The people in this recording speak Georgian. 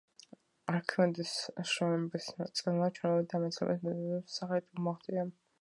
არქიმედეს შრომების ნაწილმა ჩვენამდე ამ მეცნიერებთან მიმოწერის სახით მოაღწია.